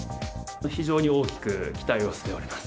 非常に大きく期待をしております。